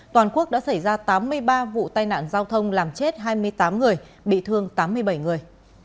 toàn quốc đã xảy ra tám mươi ba vụ tai nạn giao thông làm chết hai mươi tám người bị thương tám mươi bảy người